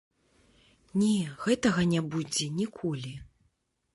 Не, гэтага не будзе ніколі.